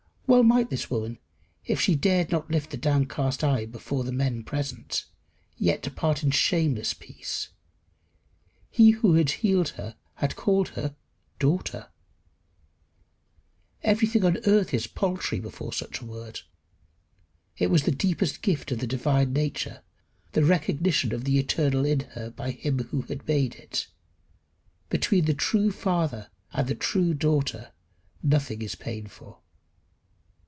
Well might this woman, if she dared not lift the downcast eye before the men present, yet depart in shameless peace: he who had healed her had called her Daughter. Everything on earth is paltry before such a word. It was the deepest gift of the divine nature the recognition of the eternal in her by him who had made it. Between the true father and the true daughter nothing is painful.